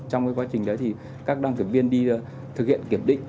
trong quá trình đấy thì các đăng kiểm viên đi thực hiện kiểm định